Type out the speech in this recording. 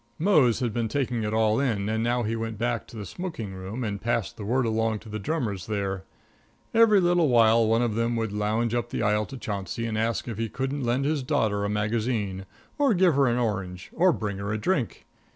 Mose had been taking it all in, and now he went back to the smoking room and passed the word along to the drummers there. Every little while one of them would lounge up the aisle to Chauncey and ask if he couldn't lend his daughter a magazine, or give her an orange, or bring her a drink.